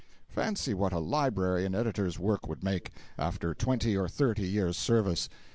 Fancy what a library an editor's work would make, after twenty or thirty years' service.